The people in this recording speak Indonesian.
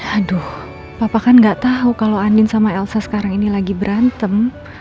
aduh papa kan gak tau kalo andin sama elsa sekarang ini lagi berantem